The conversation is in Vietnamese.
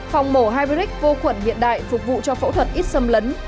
phòng mổ hybric vô khuẩn hiện đại phục vụ cho phẫu thuật ít xâm lấn